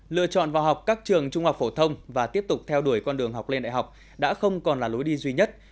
lựa chọn vào học các trường trung học phổ thông và tiếp tục theo đuổi con đường học lên đại học đã không còn là lối đi duy nhất